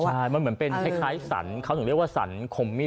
ใช่มันเหมือนเป็นคล้ายสรรเขาถึงเรียกว่าสรรคมมี่